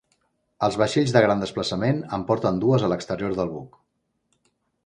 Els vaixells de gran desplaçament en porten dues a l'exterior del buc.